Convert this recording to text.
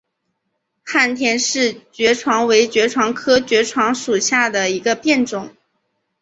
早田氏爵床为爵床科爵床属下的一个变种。